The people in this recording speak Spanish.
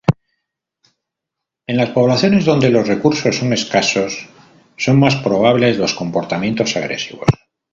En las poblaciones donde los recursos son escasos son más probables los comportamientos agresivos.